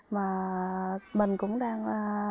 mà mình cũng đang